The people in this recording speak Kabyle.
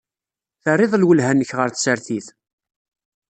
Terriḍ lwelha-nnek ɣer tsertit?